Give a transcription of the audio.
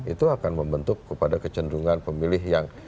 itu akan membentuk kepada kecenderungan pemilih yang